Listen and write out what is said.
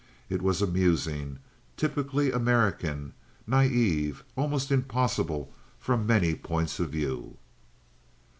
It was amusing, typically American, naive, almost impossible from many points of view.